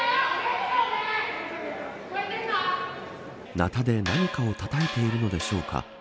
なたで何かをたたいているのでしょうか。